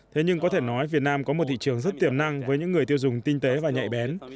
thế nhưng có thể nói việt nam có một thị trường rất tiềm năng với những người tiêu dùng tinh tế và nhạy bén